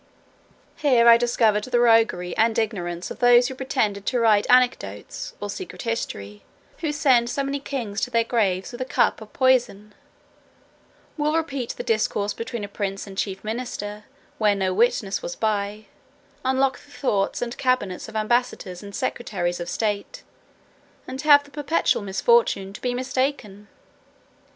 Here I discovered the roguery and ignorance of those who pretend to write anecdotes, or secret history; who send so many kings to their graves with a cup of poison; will repeat the discourse between a prince and chief minister, where no witness was by; unlock the thoughts and cabinets of ambassadors and secretaries of state; and have the perpetual misfortune to be mistaken.